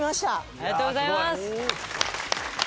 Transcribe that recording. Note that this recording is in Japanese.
ありがとうございます！